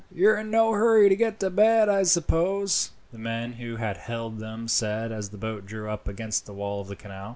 "You are in no hurry to get to bed, I suppose?" the man who had hailed them said as the boat drew up against the wall of the canal.